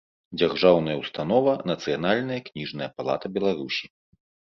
Дзяржаўная ўстанова «Нацыянальная кнiжная палата Беларусi»